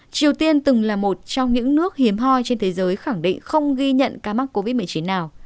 triều tiên từng là một trong những nước hiếm hoi trên thế giới khẳng định không ghi nhận ca mắc covid một mươi chín nào